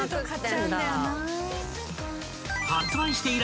［発売して以来］